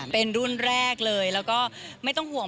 เป็นรุ่นแรกเลยแล้วก็ไม่ต้องห่วง